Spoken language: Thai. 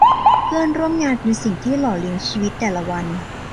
เพื่อนร่วมงานเป็นสิ่งที่หล่อเลี้ยงชีวิตแต่ละวัน